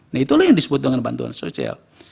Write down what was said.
nah itulah yang disebut dengan bantuan sosial